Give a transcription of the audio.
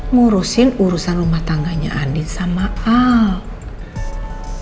ngurusin urusan rumah tangganya andin sama al